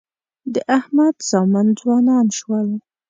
د احمد زامن ځوانان شول.